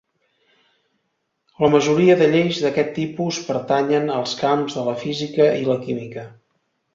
La majoria de lleis d'aquest tipus pertanyen als camps de la física i la química.